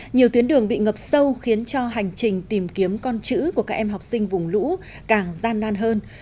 nhiều tuyến đường bị ngập sâu khiến cho hành trình tìm kiếm con chữ của các em học sinh vùng lũ càng gian nan hơn